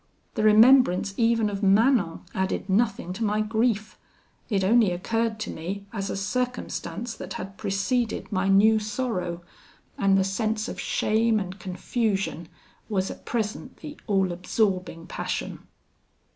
The remembrance even of Manon added nothing to my grief; it only occurred to me as a circumstance that had preceded my new sorrow; and the sense of shame and confusion was at present the all absorbing passion.